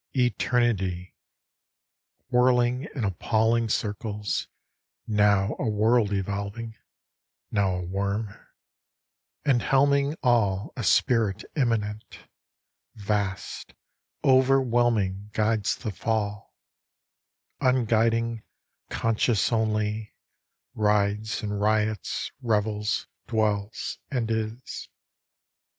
ETEBNITY ! Whirling in appalling circles, now A world evolving, now a worm ; And helming all a spirit immanent, Vast, overwhelming, guides the fall, Unguiding, conscious only, rides, And riots, revels, dwells, and is.